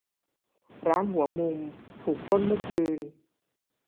ร้านหัวมุมถูกปล้นเมื่อคืน